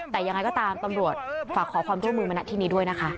แต่ยังไงก็ตามตำรวจฝากขอความร่วมมือมาณที่นี้ด้วยนะคะ